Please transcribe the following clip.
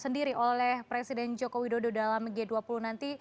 sendiri oleh presiden joko widodo dalam g dua puluh nanti